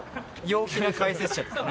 陽気な解説者です